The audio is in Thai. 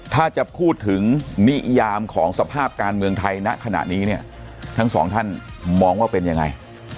ถ้าจะพูดถึงนิยามของสภาพการเมืองไทยณขณะนี้เนี่ยทั้งสองท่านมองว่าเป็นยังไง